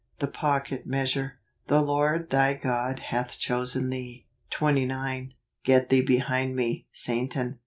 The Pocket Measure. " The Lord thy God hath chosen thee." 29* " Get thee behind me, Satan."